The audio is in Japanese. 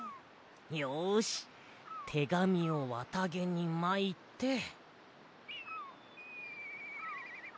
よしてがみをわたげにまいて。